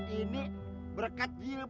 ini berkat ahhik